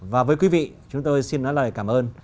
và với quý vị chúng tôi xin nói lời cảm ơn